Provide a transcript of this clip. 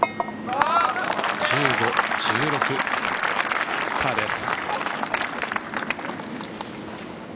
１５、１６パーです。